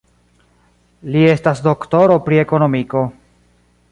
Li estas doktoro pri ekonomiko.